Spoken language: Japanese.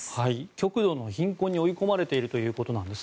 極度の貧困に追い込まれているということです。